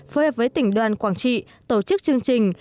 phối hợp với tỉnh đoàn quảng trị tổ chức chương trình